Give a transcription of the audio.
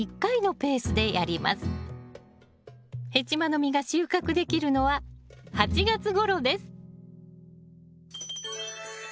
ヘチマの実が収穫できるのは８月ごろです